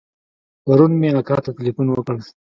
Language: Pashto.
پرون مې اکا ته ټېلفون وکړ.